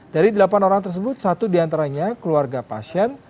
dari delapan orang tersebut satu diantaranya keluarga pasien